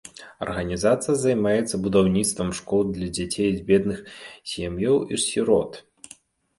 Арганізацыя займаецца будаўніцтвам школ для дзяцей з бедных сем'яў і сірот.